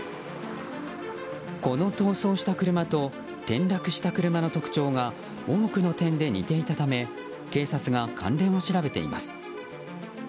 この逃走した車と転落した車の特徴が多くの点で似ていたため警察が関連を調べています。